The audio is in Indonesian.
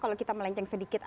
kalau kita melenceng sedikit